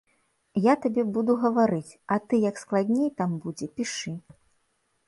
Я табе буду гаварыць, а ты як складней там будзе пішы.